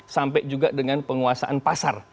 sampai juga dengan penguasaan pasar